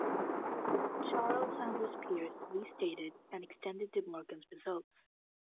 Charles Sanders Peirce restated and extended De Morgan's results.